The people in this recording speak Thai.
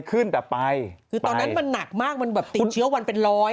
คือตอนนั้นมันหนักมากติดเชื้อวันเป็นร้อย